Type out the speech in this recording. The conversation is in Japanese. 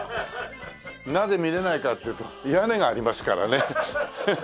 なぜ見れないかっていうと屋根がありますからね。